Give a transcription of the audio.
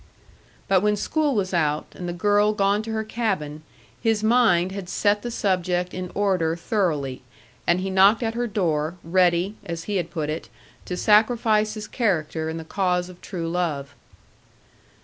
But when school was out, and the girl gone to her cabin, his mind had set the subject in order thoroughly, and he knocked at her door, ready, as he had put it, to sacrifice his character in the cause of true love.